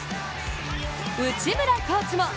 内村コーチも！